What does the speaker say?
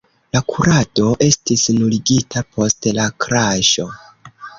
La kurado estis nuligita post la kraŝo.